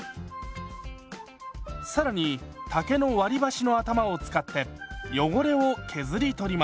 更に竹の割り箸の頭を使って汚れを削り取ります。